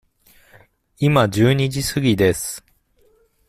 今十二時すぎです。